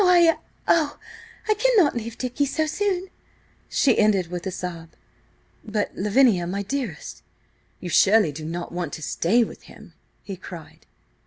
I–oh, I cannot leave Dicky so soon!" She ended with a sob. "But, Lavinia, my dearest! You surely do not want to stay with him?" he cried.